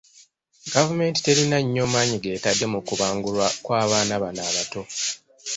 Gavumenti terina nnyo maanyi g'etadde mu kubangulwa kwa baana bano abato.